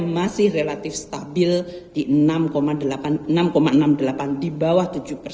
masih relatif stabil di enam enam puluh delapan di bawah tujuh persen